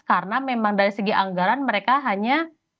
karena memang dari segi anggaran mereka hanya